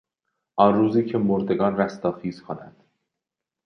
آن روزی که مردگان رستاخیز کنند